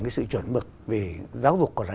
cái sự chuẩn mực vì giáo dục còn là